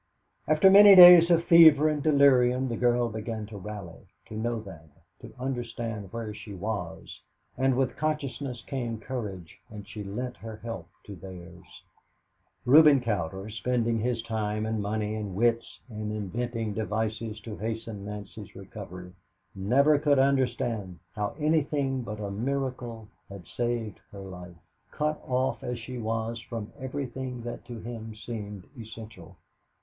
After many days of fever and delirium, the girl began to rally, to know them, to understand where she was; and with consciousness came courage, and she lent her help to theirs. Reuben Cowder, spending his time and money and wits in inventing devices to hasten Nancy's recovery, never could understand how anything but a miracle had saved her life, cut off as she was from everything that to him seemed essential.